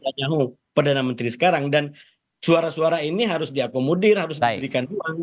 jadi kita jauh perdana menteri sekarang dan suara suara ini harus diakomodir harus diberikan uang